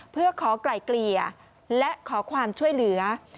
เพื่อขอไกล่เกลี่ยและขอความช่วยเหลือ